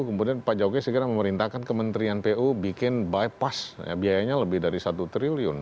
kemudian pak jokowi segera memerintahkan kementerian pu bikin bypass biayanya lebih dari satu triliun